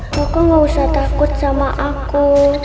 kakak nggak usah takut sama aku